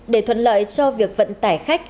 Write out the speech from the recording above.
để thuận lợi cho việc vận tải khách